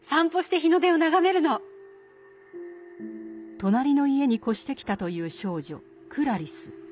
隣の家に越してきたという少女クラリス。